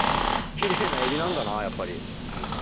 奇麗なエビなんだなやっぱり。